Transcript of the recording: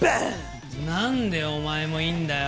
なんでお前もいるんだよ！